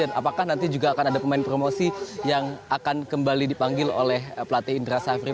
dan apakah nanti juga akan ada pemain promosi yang akan kembali dipanggil oleh pelatih indra safri